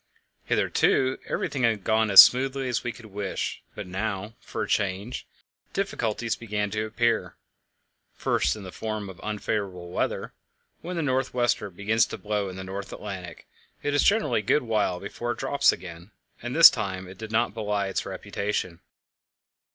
Hitherto everything had gone as smoothly as we could wish, but now, for a change, difficulties began to appear, first in the form of unfavourable weather When the north wester begins to blow in the North Atlantic, it is generally a good while before it drops again, and this time it did not belie its reputation.